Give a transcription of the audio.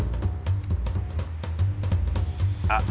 あっ。